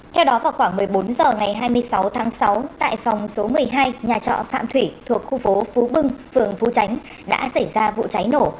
theo đó vào khoảng một mươi bốn h ngày hai mươi sáu tháng sáu tại phòng số một mươi hai nhà trọ phạm thủy thuộc khu phố phú bưng phường phú tránh đã xảy ra vụ cháy nổ